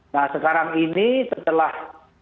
nah sekarang ini setelah